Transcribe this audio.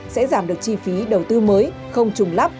sẽ giảm được chi phí đầu tư mới không trùng lắp